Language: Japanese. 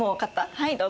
はいどうぞ。